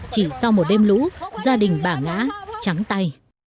chỉ sau một đêm lũ gia đình bả ngã trắng tay